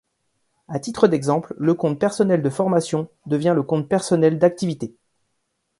A titre d’exemple, le Compte Personnel de Formation devient le Compte Personnel d’Activité.